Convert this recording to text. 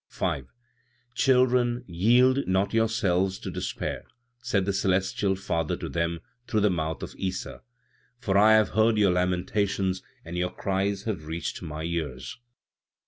5. "Children, yield not yourselves to despair," said the celestial Father to them, through the mouth of Issa, "for I have heard your lamentations, and your cries have reached my ears.